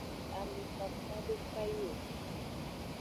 Ame fafa deka yi enyi.